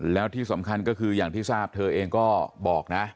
แล้วที่สำคัญก็คืออย่างที่ทราบเธอเองก็บอกนะ